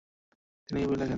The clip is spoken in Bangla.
তিনি এই বই লেখেন।